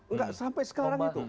enggak sampai sekarang itu